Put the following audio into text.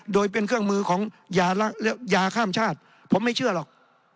โดยเป็นเครื่องมือของยาข้ามชาติผมไม่เชื่อหรอก